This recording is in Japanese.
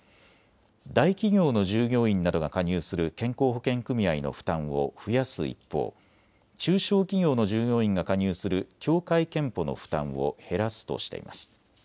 大企業の従業員などが加入する健康保険組合の負担を増やす一方、中小企業の従業員が加入する協会けんぽの負担を減らすとしています。